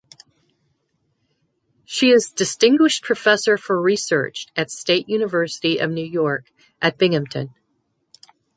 She is Distinguished Professor for Research at State University of New York at Binghamton.